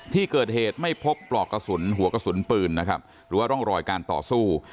ที่เกิดเหตุไม่พบปลอกกระสุนหัวกระสุนปืนนะครับหรือว่าร่องรอยการต่อสู้